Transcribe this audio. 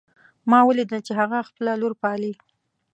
ما ولیدل چې هغه خپله لور پالي